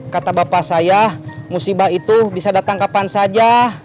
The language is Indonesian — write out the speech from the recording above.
kata bapak saya musibah itu bisa datang kapan saja